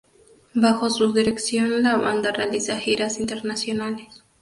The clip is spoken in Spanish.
Bajo su dirección la banda realiza giras internacionales.